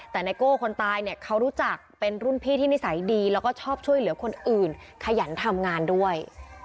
แต่ไนโก้คนตายเนี่ยเขารู้จักเป็นรุ่นพี่ที่นิสัยดีแล้วก็ชอบช่วยเหลือคนอื่นขยันทำงานด้วย